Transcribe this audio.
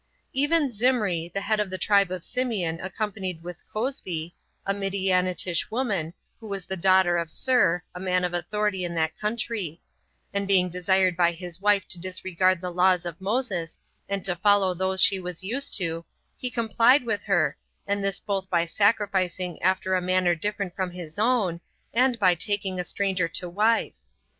10. Even Zimri, the head of the tribe of Simeon accompanied with Cozbi, a Midianitish women, who was the daughter of Sur, a man of authority in that country; and being desired by his wife to disregard the laws of Moses, and to follow those she was used to, he complied with her, and this both by sacrificing after a manner different from his own, and by taking a stranger to wife.